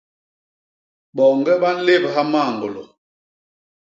Boñge ba nlébha mañgôlô.